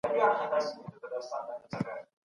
ماهرین لمر ته ګرځېدل اړین بولي.